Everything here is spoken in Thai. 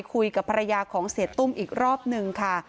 คุยกับภรรยาของเสียตุ้มอีกรอบหนึ่งค่ะ